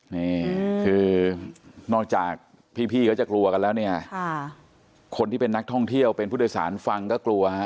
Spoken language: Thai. นี่คือนอกจากพี่เขาจะกลัวกันแล้วเนี่ยคนที่เป็นนักท่องเที่ยวเป็นผู้โดยสารฟังก็กลัวฮะ